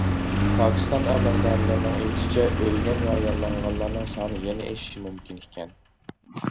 پاكىستان ئەمەلدارلىرىنىڭ ئېيتىشىچە، ئۆلگەن ۋە يارىلانغانلارنىڭ سانى يەنە ئېشىشى مۇمكىن ئىكەن.